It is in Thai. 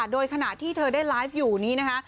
โดยขณะที่เธอได้ไลฟ์อยู่นี้นะคะ